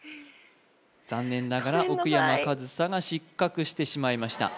残念ながら奥山かずさが失格してしまいました